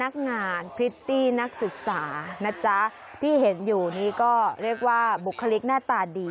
นักงานพริตตี้นักศึกษานะจ๊ะที่เห็นอยู่นี้ก็เรียกว่าบุคลิกหน้าตาดี